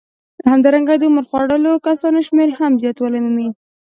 همدارنګه د عمر خوړلو کسانو شمېر هم زیاتوالی مومي